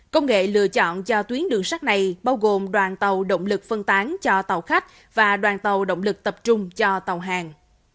công nghệ lựa chọn cho tuyến đường sắt này bao gồm đoàn tàu động lực phân tán cho tàu khách và đoàn tàu động lực tập trung cho tàu hàng